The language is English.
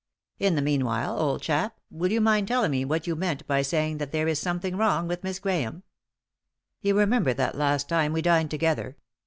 In the meanwhile, old chap, will you mind telling me what you meant by saying that there is something wrong with Miss Grahame ?"" You remember that last time we dined together